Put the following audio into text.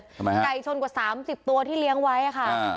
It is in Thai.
ทำไมฮะไก่ชนกว่าสามสิบตัวที่เลี้ยงไว้อ่ะค่ะอ่า